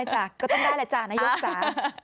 จะพอเล่นชุดหน้าคิด